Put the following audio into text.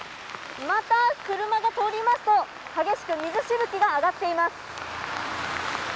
また、車が通りますと激しく水しぶきが上がっています。